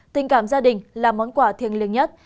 tình cảm gia đình là món quà thiêng liêng nhất